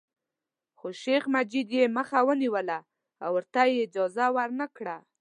خو شیخ مجید یې مخه ونیوله او ورته یې اجازه ورنکړه.